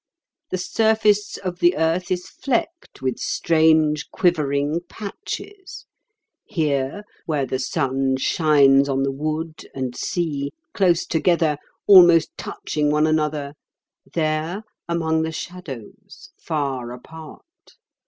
The surface of the earth is flecked with strange quivering patches: here, where the sun shines on the wood and sea, close together, almost touching one another; there, among the shadows, far apart.